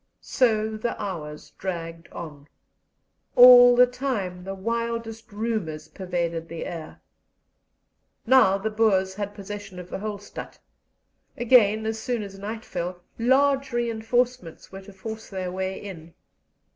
So the hours dragged on. All the time the wildest rumours pervaded the air. Now the Boers had possession of the whole stadt; again, as soon as night fell, large reinforcements were to force their way in.